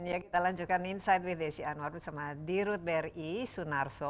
ya kita lanjutkan insight with desy anwar bersama d ruth beri sunarso